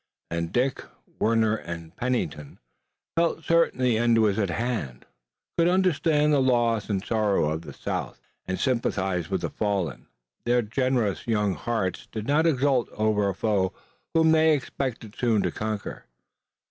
And Dick, Warner and Pennington, feeling certain that the end was at hand, could understand the loss and sorrow of the South, and sympathize with the fallen. Their generous young hearts did not exult over a foe whom they expected soon to conquer.